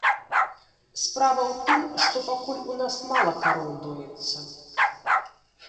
Справа ў тым, што пакуль у нас мала кароў доіцца.